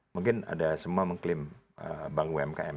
mungkin ada semua mengklaim bank umkm